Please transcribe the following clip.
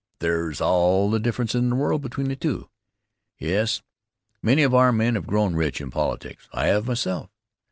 There's all the difference in the world between the two. Yes, many of our men have grown rich in politics. I have myself.